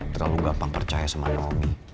terlalu gampang percaya sama naomi